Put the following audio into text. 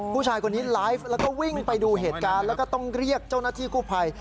ผู้ชายคนนี้ไลฟ์แล้วก็วิ่งไปดูเหตุการณ์แล้วก็ต้องเรียกเจ้าหน้าที่กู้ภัย